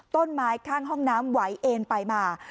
ต้นไม้ข้างห้องน้ำไหวเอ็นไปมา